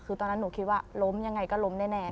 คือตอนนั้นหนูคิดว่าล้มยังไงก็ล้มแน่